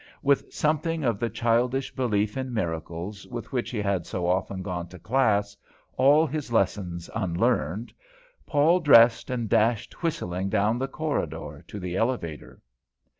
With something of the childish belief in miracles with which he had so often gone to class, all his lessons unlearned, Paul dressed and dashed whistling down the corridor to the elevator.